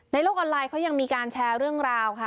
โลกออนไลน์เขายังมีการแชร์เรื่องราวค่ะ